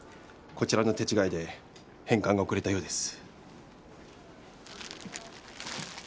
こちらの手違いで返還が遅れたようです。